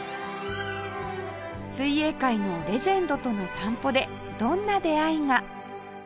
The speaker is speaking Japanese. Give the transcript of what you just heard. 水泳界のレジェンドとの散歩でどんな出会いが？